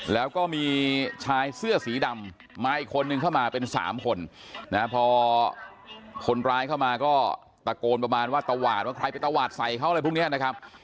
แล้วก็มีชายเสื้อสีดำมาอีกคนนึงเข้ามาเป็น๓คนนะพอคนร้ายเข้ามาก็ตะโกนประมาณว่าตวาดว่าใครไปตวาดใส่เขาอะไรพวกนี้นะครับ